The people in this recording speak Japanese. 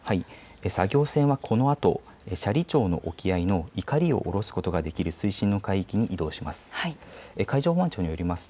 作業船はこのあと斜里町の沖合のいかりを下ろすことができる水深の海域に移動します。